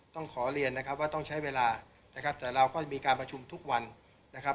ต้องขอเรียนนะครับว่าต้องใช้เวลานะครับแต่เราก็จะมีการประชุมทุกวันนะครับ